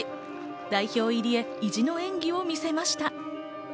代表入りへ、意地の演技を見せました。